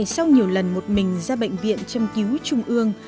sau nhiều lần một mình ra bệnh viện châm cứu trung ương